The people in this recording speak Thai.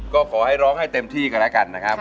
ก็ขอให้ร้องให้เต็มที่กันแล้วกันนะครับ